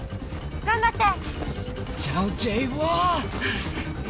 頑張って！